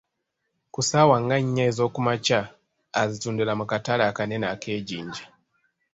Ku ssaawa nga nnya ez'okumakya, azitundira mu Katale akanene ak'e Jinja.